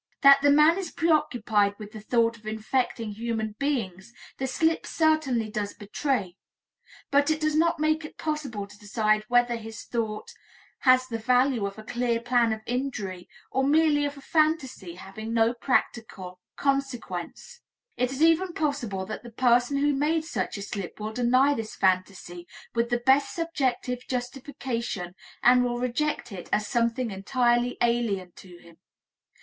That the man is preoccupied with the thought of infecting human beings, the slip certainly does betray, but it does not make it possible to decide whether this thought has the value of a clear plan of injury or merely of a phantasy having no practical consequence. It is even possible that the person who made such a slip will deny this phantasy with the best subjective justification and will reject it as something entirely alien to him.